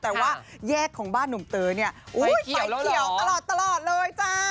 แต่ว่าแยกของบ้านหนุ่มเต๋อเนี่ยไฟเขียวตลอดเลยจ้า